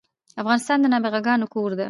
افغانستان د نابغه ګانو کور ده